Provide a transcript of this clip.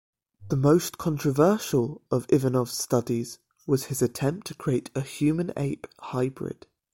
The most controversial of Ivanov's studies was his attempt to create a human-ape hybrid.